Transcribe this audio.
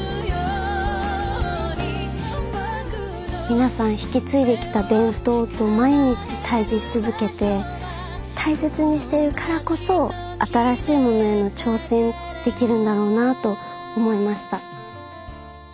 皆さん引き継いできた伝統と毎日対じし続けて大切にしているからこそ新しいものへの挑戦できるんだろうなと思いました。